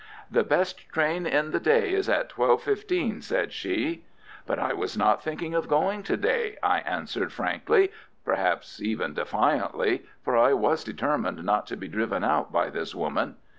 "The best train in the day is at twelve fifteen," said she. "But I was not thinking of going to day," I answered, frankly—perhaps even defiantly, for I was determined not to be driven out by this woman.